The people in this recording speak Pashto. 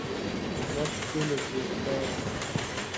دا پسه له پوسته کړه.